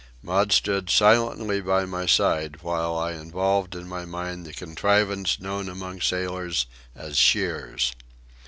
Maud stood silently by my side, while I evolved in my mind the contrivance known among sailors as "shears."